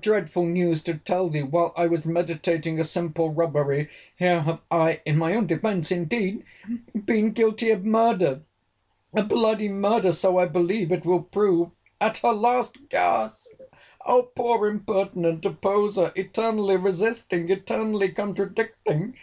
Dreadful news to tell thee! While I was meditating a simple robbery, here have I (in my own defence indeed) been guilty of murder!—A bl—y murder! So I believe it will prove. At her last gasp!—Poor impertinent opposer!—Eternally resisting!—Eternally contradicting!